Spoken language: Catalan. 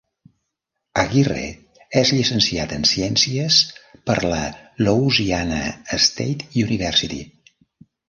Aguirre és llicenciat en Ciències per la Louisiana State University.